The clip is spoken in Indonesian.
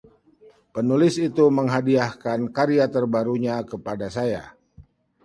Penulis itu menghadiahkan karya terbarunya kepada saya.